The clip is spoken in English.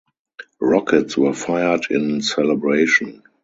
Rockets were fired in celebration.